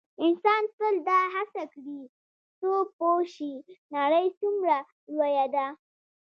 انسان تل دا هڅه کړې څو پوه شي نړۍ څومره لویه ده.